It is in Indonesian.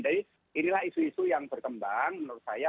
jadi inilah isu isu yang berkembang menurut saya